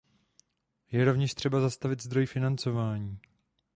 Je rovněž třeba zastavit zdroj financování.